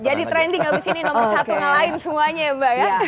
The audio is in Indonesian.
jadi trending abis ini nomor satu ngelain semuanya mbak ya